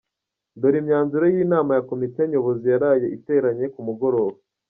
Dore imyanzuro y’inama ya komite nyobozi yaraye iteranye ku mugoroba.